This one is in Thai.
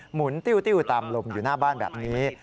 หุนติ้วตามลมอยู่หน้าบ้านแบบนี้